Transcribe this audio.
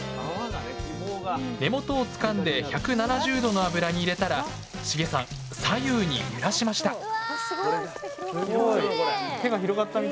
根元をつかんで１７０℃の油に入れたらしげさん左右に揺らしました